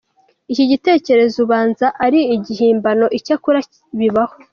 Iki gitekerezo ubanza ari igihimbano! Icyakora bibaho:.